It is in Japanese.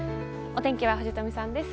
お天気は藤富さんです。